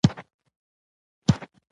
د اوبو د پاکوالي لپاره ځوانان هڅې کوي.